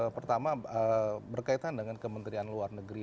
pertama berkaitan dengan kementerian luar negeri